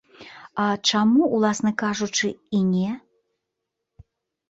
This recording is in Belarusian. А чаму, уласна кажучы, і не?